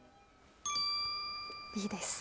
Ｂです